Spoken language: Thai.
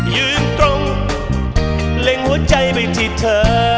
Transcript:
ยืนตรงเล็งหัวใจไปที่เธอ